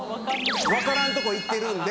分からんとこ行ってるんで。